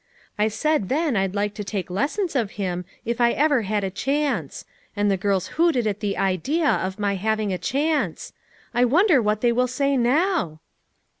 I said then I'd like to take lessons of him if I ever had a chance; and the girls hooted at the idea of my having a chance. I wonder what they will say now?"